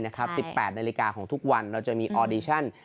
๑๘นาฬิกาของทุกวันเราจะมีออดิชั่น